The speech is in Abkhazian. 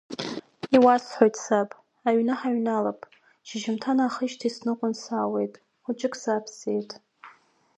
Иуасҳәоит саб, аҩны ҳаҩналап, шьыжьымҭан аахижьҭеи сныҟәаны саауеит, хәыҷык сааԥсеит.